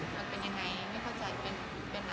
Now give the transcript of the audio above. แต่จะเป็นไรเป็นแฮกท์ก็ไม่มี